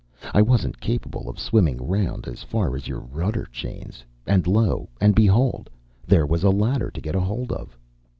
I wasn't capable of swimming round as far as your rudder chains. And, lo and behold! there was a ladder to get hold of.